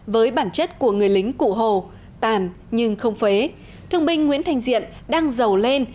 với bản chất của người lính cụ hồ tàn nhưng không phế thương binh nguyễn thanh diện đang giàu lên